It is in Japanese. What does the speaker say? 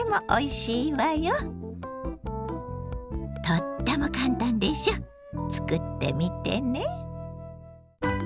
とっても簡単でしょ作ってみてね。